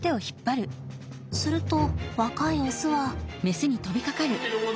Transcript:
すると若いオスは。